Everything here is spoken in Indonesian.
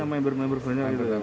yang member member banyak